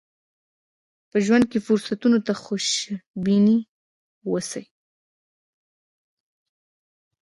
په ژوند کې فرصتونو ته خوشبين اوسئ.